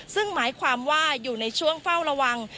ซึ่งหมายความว่าอยู่ในช่วงเฝ้าระวัง